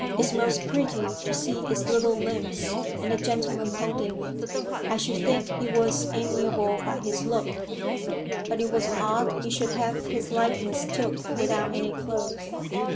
"It's most pretty to see its little limbs, and the gentleman holding it. I should think he was amiable by his look; but it was odd he should have his likeness took without any clothes.